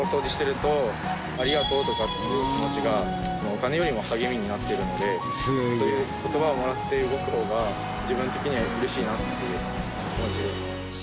「ありがとう」とかっていう気持ちがお金よりも励みになっているのでそういう言葉をもらって動く方が自分的には嬉しいなっていう気持ち。